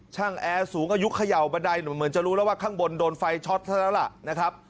แอร์สูงอายุเขย่าบันไดเหมือนจะรู้แล้วว่าข้างบนโดนไฟช็อตซะแล้วล่ะนะครับ